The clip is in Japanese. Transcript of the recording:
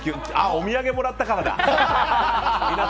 お土産もらったからだ。